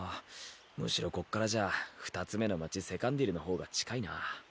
むしろこっからじゃ２つ目の街セカンディルの方が近いな。